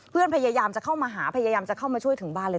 พยายามจะเข้ามาหาพยายามจะเข้ามาช่วยถึงบ้านเลย